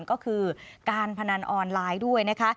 ก็คือการพนันออนไลน์ด้วยนะคะ